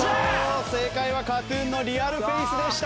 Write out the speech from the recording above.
正解はＫＡＴ−ＴＵＮの『ＲｅａｌＦａｃｅ』でした。